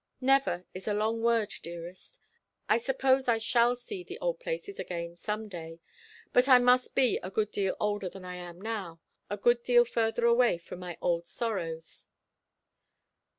"Never is a long word, dearest. I suppose I shall see the old places again some day; but I must be a good deal older than I am now a good deal further away from my old sorrows."